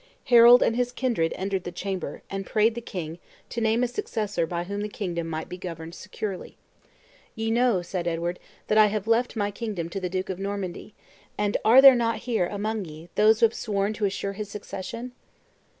Harold and his kindred entered the chamber, and prayed the king to name a successor by whom the kingdom might be governed securely. "Ye know," said Edward, "that I have left my kingdom to the Duke of Normandy; and are there not here, among ye, those who have sworn to assure his succession?"